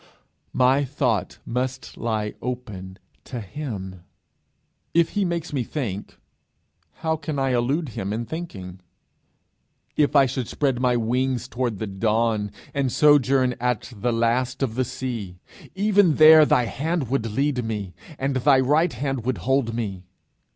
My thought must lie open to him: if he makes me think, how can I elude him in thinking? 'If I should spread my wings toward the dawn, and sojourn at the last of the sea, even there thy hand would lead me, and thy right hand would hold me!'